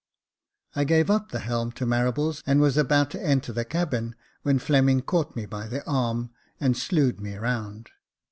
I gave up the helm to Marables, and was about to enter the cabin, when Fleming caught me by the arm, and slewed me round.